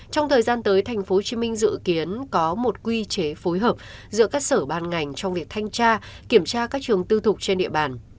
trong thời gian tới tp hcm dự kiến có một quy chế phối hợp giữa các sở ban ngành trong việc thanh tra kiểm tra các trường tư thục trên địa bàn